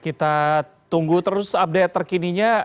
kita tunggu terus update terkininya